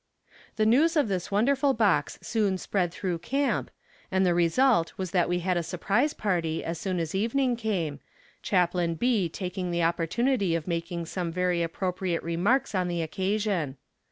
The news of this wonderful box soon spread through camp, and the result was that we had a surprise party as soon as evening came, Chaplain B. taking the opportunity of making some very appropriate remarks on the occasion.